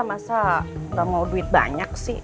masa nggak mau duit banyak sih